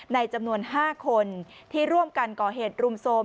จำนวน๕คนที่ร่วมกันก่อเหตุรุมโทรม